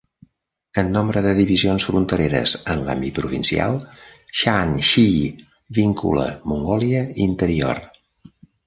En nombre de divisions frontereres en l'àmbit provincial, Shaanxi vincula Mongòlia Interior.